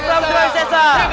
prabu surawis sesa